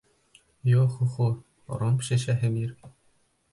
Йо-хо-хо, ром шешәһе бир!